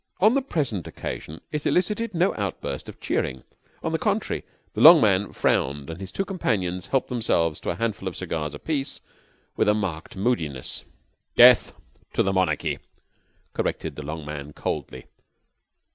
On the present occasion it elicited no outburst of cheering. On the contrary, the long man frowned, and his two companions helped themselves to a handful of cigars apiece with a marked moodiness. "Death to the monarchy," corrected the long man coldly.